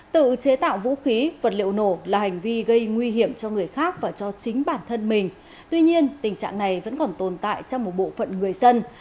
tự chế tạo vũ khí vật liệu nổ là hành vi gây nguy hiểm cho người khác và cho chính bản thân mình tuy nhiên tình trạng này vẫn còn tồn tại trong một bộ phận người dân